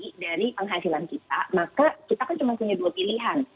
tapi kalau kita menambah penghasilan kita maka kita kan cuma punya dua pilihan